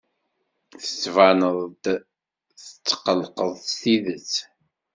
Tettbaneḍ-d tetqellqeḍ s tidet.